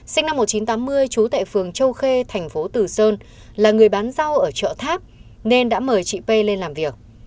sinh năm một nghìn chín trăm tám mươi trú tại phường châu khê thành phố tử sơn là người bán rau ở chợ tháp nên đã mời chị p lên làm việc